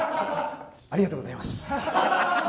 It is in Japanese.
ありがとうございます。